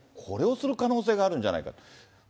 これをする可能性があるんじゃないかと。